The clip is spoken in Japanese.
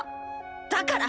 だから。